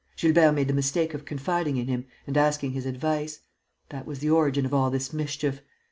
Gilbert made the mistake of confiding in him and asking his advice. That was the origin of all the mischief.